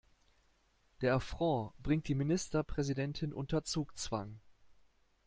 Der Affront bringt die Ministerpräsidentin unter Zugzwang.